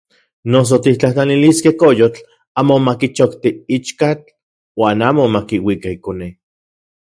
Noso tiktlajtlaniliskej koyotl amo makichokti ichkatl uan amo makiuika ikone.